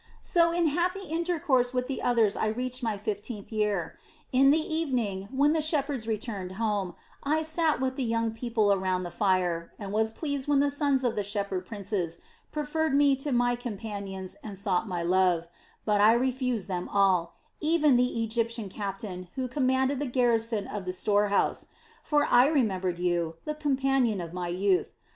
"So in happy intercourse with the others I reached my fifteenth year. In the evening, when the shepherds returned home, I sat with the young people around the fire, and was pleased when the sons of the shepherd princes preferred me to my companions and sought my love; but I refused them all, even the Egyptian captain who commanded the garrison of the storehouse; for I remembered you, the companion of my youth.